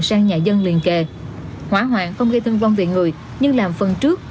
sang nhà dân liền kề hỏa hoạn không gây thương vong về người nhưng làm phần trước